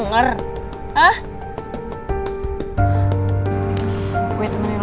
gue perhatian sama lo